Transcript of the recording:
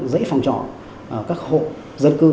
dãy phòng trọ các hộ dân cư